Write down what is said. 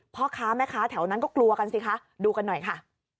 พ่อค้าแม่ค้าแถวนั้นก็กลัวกันสิคะดูกันหน่อยค่ะ